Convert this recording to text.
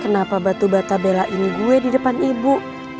kenapa batu bata belain gue di depan ibu